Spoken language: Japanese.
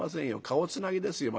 顔つなぎですよ。